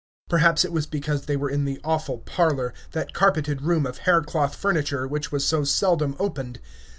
Perhaps it was because they were in the awful parlor, that carpeted room of haircloth furniture, which was so seldom opened.